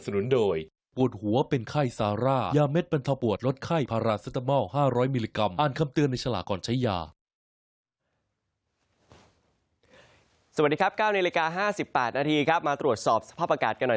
สวัสดีครับ๙นาฬิกา๕๘นาทีครับมาตรวจสอบสภาพอากาศกันหน่อย